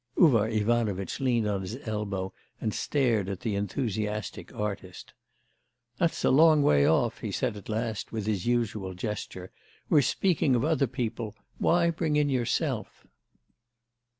Uvar Ivanovitch leaned on his elbow and stared at the enthusiastic artist. 'That's a long way off,' he said at last with his usual gesture; 'we're speaking of other people, why bring in yourself?